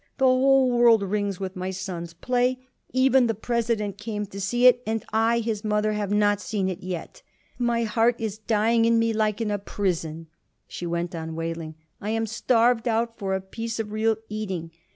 The whole world rings with my son's play. Even the President came to see it, and I, his mother, have not seen it yet. My heart is dying in me like in a prison," she went on wailing. "I am starved out for a piece of real eating.